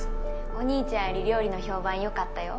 お兄ちゃんより料理の評判良かったよ。